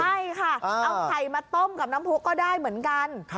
ใช่ค่ะเอาไข่มาต้มกับน้ำผู้ก็ได้เหมือนกัน